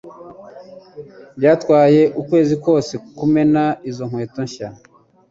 Byatwaye ukwezi kose kumena izo nkweto nshya